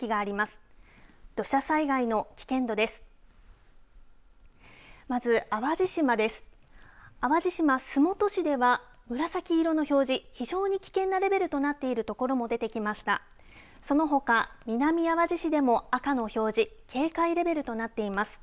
そのほか南あわじ市でも赤の表示警戒レベルとなっています。